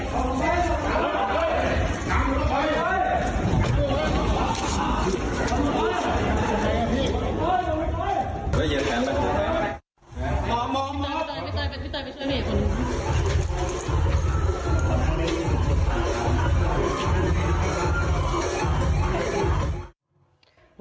มันไม่ได้ช่วยเหล้ากันนึงค่ะ